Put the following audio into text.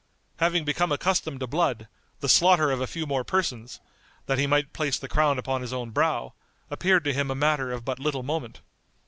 Having become accustomed to blood, the slaughter of a few more persons, that he might place the crown upon his own brow, appeared to him a matter of but little moment.